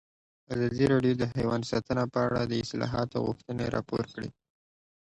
ازادي راډیو د حیوان ساتنه په اړه د اصلاحاتو غوښتنې راپور کړې.